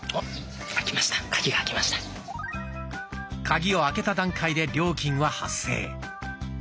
カギを開けた段階で料金は発生。